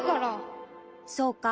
そうか。